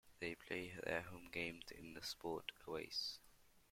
They play their home games in the SportOase.